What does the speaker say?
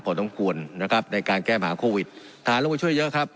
พอดังควรนะครับในการแก้หาควิดธัฬาโรงให้ช่วยเยอะครับ